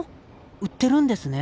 売ってるんですね。